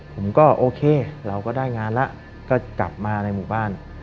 ผมก็โอเคเราก็ได้งานแล้วก็กลับมาในหมู่บ้าน